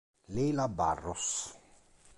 Leila Barros